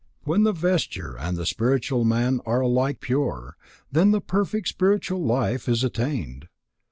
When the vesture and the spiritual man are alike pure, then perfect spiritual life is attained.